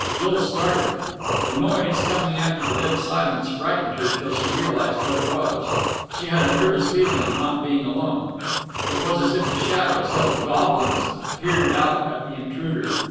Jill started. The noise, coming after the dead silence, frightened her till she realized what it was. She had a nervous feeling of not being alone. It was as if the shadows held goblins that peered out at the intruder.